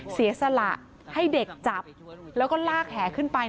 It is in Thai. เสียสละให้เด็กจับแล้วก็ลากแห่ขึ้นไป